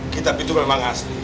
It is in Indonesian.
kitab itu memang asli